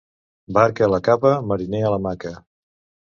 Barca a la capa, mariner a l'hamaca.